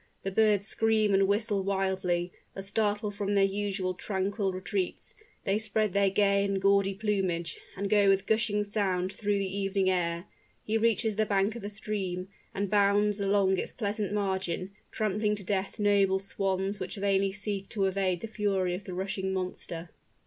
The birds scream and whistle wildly, as startled from their usual tranquil retreats, they spread their gay and gaudy plumage, and go with gushing sound through the evening air. He reaches the bank of a stream, and bounds along its pleasant margin, trampling to death noble swans which vainly seek to evade the fury of the rushing monster.